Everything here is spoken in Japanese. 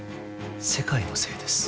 世界のせいです。